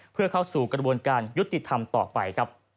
เพื่อเข้าสู่กระบวนการยุติธรรมต่อไปครับ